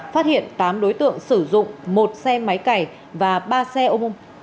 phát hiện tám đối tượng sử dụng một xe máy cày và ba xe ôm